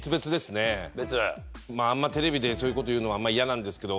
あんまテレビでそういう事言うのは嫌なんですけど。